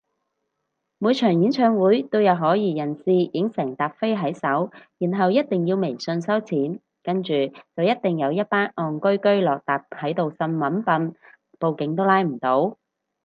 每場演唱會都有可疑人士影成疊飛喺手然後一定要微信收錢，跟住就一定會有一班戇居居落疊喺度呻搵笨，報警都拉唔到